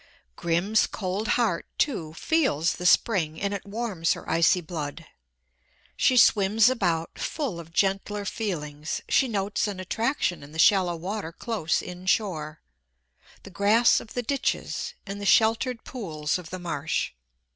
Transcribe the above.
Grim's cold heart, too, feels the spring, and it warms her icy blood. She swims about, full of gentler feelings, she notes an attraction in the shallow water close inshore, the grass of the ditches, and the sheltered pools of the marsh.